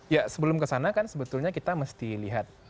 ya sebelum kesana kan sebetulnya kita mesti lihat